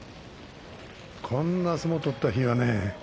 こんな相撲を取った日にはね